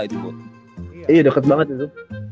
iya dekat banget itu